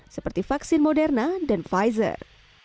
seperti vaksin moderna dan pfizer